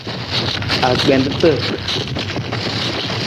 Agbentata.